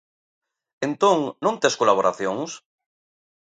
Entón non tes colaboracións?